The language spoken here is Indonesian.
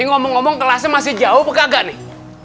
ini ngomong ngomong kelasnya masih jauh apa kagak nih